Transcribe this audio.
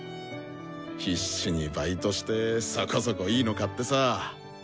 必死にバイトしてそこそこいいの買ってさぁ。